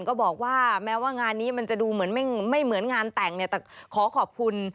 ก็บอกว่าแม้ว่างานนี้มันจะดูไม่เหมือนงานแต่งแต่ขอขอบคุณ